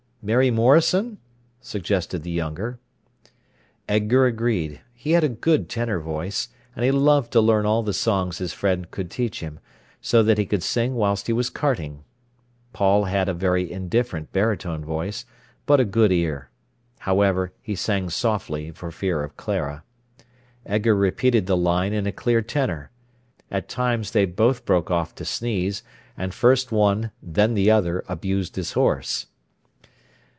"'Mary Morrison'?" suggested the younger. Edgar agreed. He had a good tenor voice, and he loved to learn all the songs his friend could teach him, so that he could sing whilst he was carting. Paul had a very indifferent baritone voice, but a good ear. However, he sang softly, for fear of Clara. Edgar repeated the line in a clear tenor. At times they both broke off to sneeze, and first one, then the other, abused his horse.